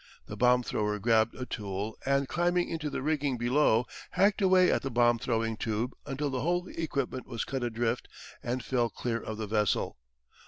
The bomb thrower grabbed a tool and climbing into the rigging below hacked away at the bomb throwing tube until the whole equipment was cut adrift and fell clear of the vessel.